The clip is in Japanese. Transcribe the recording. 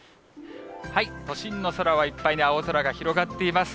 都心の空はいっぱい青空が広がっています。